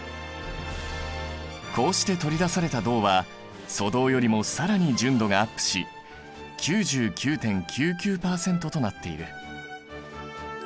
こうして取り出された銅は粗銅よりも更に純度がアップし９９．９９％となっている。